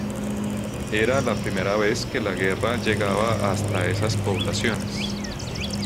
Era la primera vez que la guerra llegaba hasta esas poblaciones.